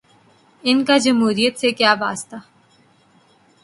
ان کا جمہوریت سے کیا واسطہ۔